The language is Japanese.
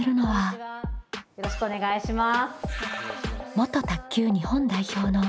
よろしくお願いします。